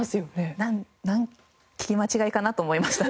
なん「聞き間違いかな？」と思いましたね。